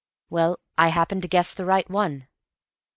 Well, I happened to guess the right one.